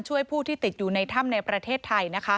ผู้ที่ติดอยู่ในถ้ำในประเทศไทย